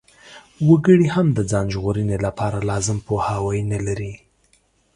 وګړي هم د ځان ژغورنې لپاره لازم پوهاوی نلري.